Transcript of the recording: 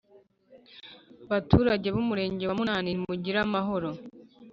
baturage b’umurenge wa munanira, nimugire amahoro